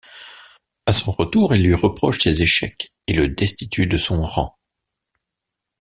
A son retour, il lui reproche ses échecs et le destitue de son rang.